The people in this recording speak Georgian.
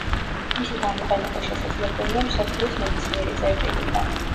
მისი გამოყენება შესაძლებელია მსოფლიოს ნებისმიერი წერტილიდან.